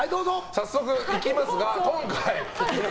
早速いきますが。